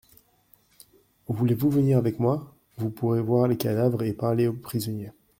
Voulez-vous venir avec moi ? Vous pourrez voir les cadavres et parler au prisonnier.